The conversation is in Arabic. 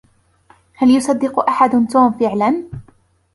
هل يصدق أحد توم فعلا؟